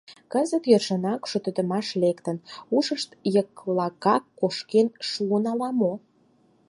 — Кызыт йӧршынак шотдымыш лектыныт, ушышт йыклыкак кошкен шуын ала-мо...